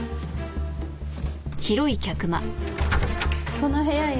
この部屋よ。